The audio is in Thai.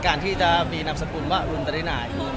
การที่จะมีนับสกุลว่ารุมเตอรินาย